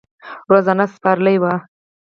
روزنه سپارلې وه.